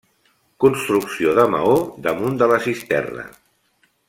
Construcció de maó damunt de la cisterna.